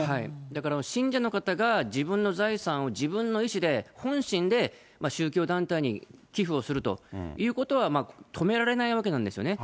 だから信者の方が自分の財産を自分の意思で本心で、宗教団体に寄付をするということは止められないわけなんですね。